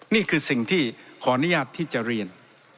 นี่คือสิ่งที่ขออนุญาตที่จะเรียน